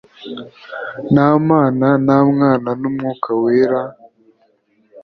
Na mana na Mwana n Umwuka wera